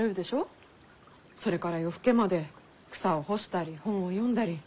それから夜更けまで草を干したり本を読んだり。